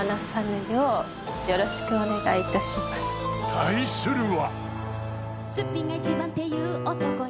［対するは］